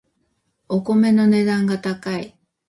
お米の値段が高い